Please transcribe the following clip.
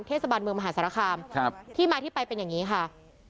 เทศบาลเมืองมหาสารคามที่มาที่ไปเป็นอย่างนี้ค่ะ